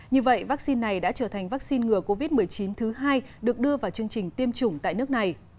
như vậy vaccine này đã trở thành vaccine ngừa covid một mươi chín thứ hai được đưa vào chương trình tiêm chủng tại nước này